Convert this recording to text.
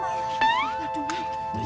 yang di depan siapa